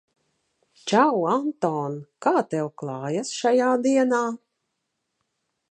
Čau, Anton! Kā tev klājas šajā dienā?